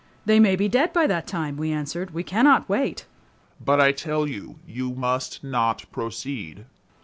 They may be dead by that time," we answered. "We cannot wait." "But I tell you, you must not proceed."